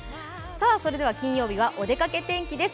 それでは金曜日はおでかけ天気です。